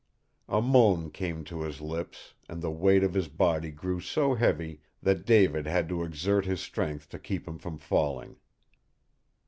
A moan came to his lips, and the weight of his body grew so heavy that David had to exert his strength to keep him from falling.